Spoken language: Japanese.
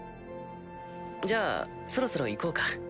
じゃあそろそろ行こうか。